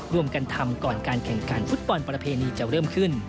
รวมกันทำก่อนการแข่งขันฟุตบอลประเพณีจะเริ่มขึ้น